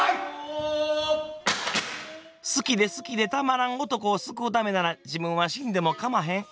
好きで好きでたまらん男を救うためなら自分は死んでもかまへん。